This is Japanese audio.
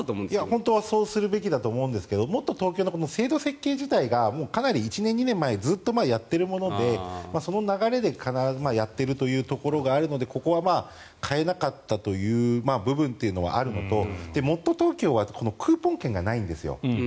本当はするべきだと思うんですがもっとＴｏｋｙｏの制度設計自体がかなり１年、２年前ずっと前にやっているものでその流れでやっているというところがあるのでここは変えなかったという部分があるのともっとＴｏｋｙｏはクーポン券がないんです。